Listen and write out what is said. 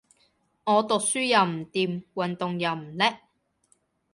我讀書又唔掂，運動又唔叻